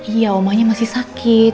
iya omanya masih sakit